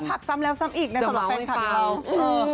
มันปรบผักซ้ำแล้วซ้ำอีกในสำหรับแฟนความรู้